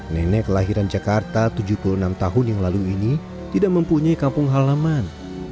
nenek kelahiran jakarta tujuh puluh enam tahun yang lalu ini tidak mempunyai kampung halaman